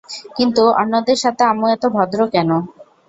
কিন্তু অন্যদের সাথে আম্মু এত ভদ্র কেন?